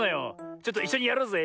ちょっといっしょにやろうぜ。